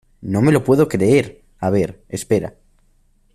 ¡ no me lo puedo creer! a ver, espera.